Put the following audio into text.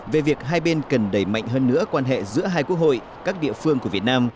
về việc hai bên cần đẩy mạnh hơn nữa quan hệ giữa hai quốc hội các địa phương của việt nam